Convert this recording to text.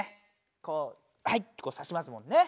こう「はい」ってさしますもんね。